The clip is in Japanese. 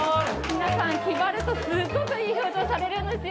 皆さん、決まるとすごくいい表情されるんですよ。